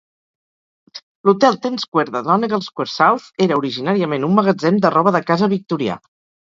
L'hotel Ten Square de Donegall Square South era originàriament un magatzem de roba de casa victorià.